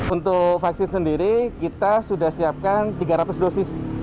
untuk vaksin sendiri kita sudah siapkan tiga ratus dosis